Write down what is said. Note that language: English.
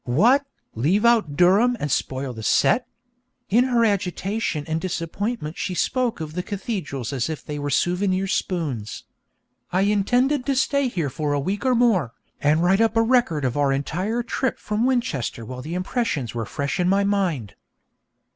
What! leave out Durham and spoil the set?' (In her agitation and disappointment she spoke of the cathedrals as if they were souvenir spoons.) 'I intended to stay here for a week or more, and write up a record of our entire trip from Winchester while the impressions were fresh in my mind.'